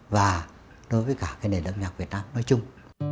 và đối với cả cái nền âm nhạc việt nam nói chung